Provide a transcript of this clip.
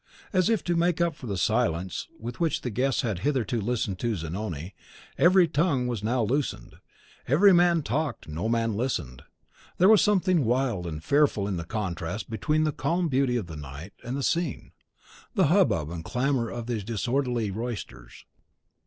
As if to make up for the silence with which the guests had hitherto listened to Zanoni, every tongue was now loosened, every man talked, no man listened. There was something wild and fearful in the contrast between the calm beauty of the night and scene, and the hubbub and clamour of these disorderly roysters.